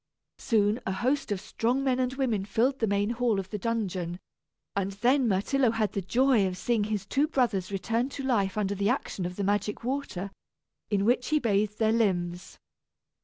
Soon, a host of strong men and women filled the main hall of the dungeon, and then Myrtillo had the joy of seeing his two brothers return to life under the action of the magic water, in which he bathed their limbs.